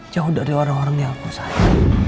jauh dari orang orang yang aku sayang